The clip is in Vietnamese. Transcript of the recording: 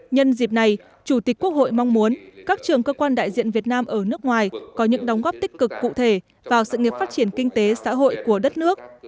nhân dịp này chủ tịch quốc hội mong muốn các trường cơ quan đại diện việt nam ở nước ngoài có những đóng góp tích cực cụ thể vào sự nghiệp phát triển kinh tế xã hội của đất nước